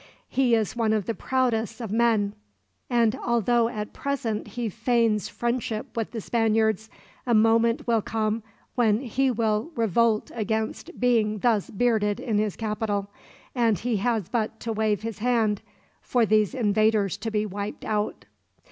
He is one of the proudest of men, and although at present he feigns friendship with the Spaniards, a moment will come when he will revolt against being thus bearded in his capital; and he has but to wave his hand for these invaders to be wiped out.